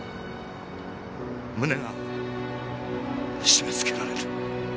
胸が締めつけられる。